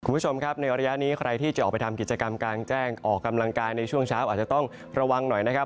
คุณผู้ชมครับในระยะนี้ใครที่จะออกไปทำกิจกรรมกลางแจ้งออกกำลังกายในช่วงเช้าอาจจะต้องระวังหน่อยนะครับ